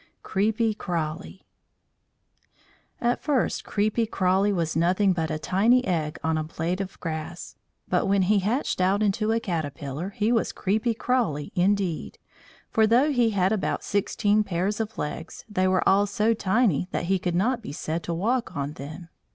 CREEPY CRAWLY At first Creepy Crawly was nothing but a tiny egg on a blade of grass; but when he hatched out into a caterpillar he was Creepy Crawly indeed, for though he had about sixteen pairs of legs, they were all so tiny that he could not be said to walk on them.